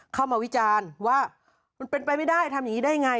วิจารณ์ว่ามันเป็นไปไม่ได้ทำอย่างนี้ได้ไง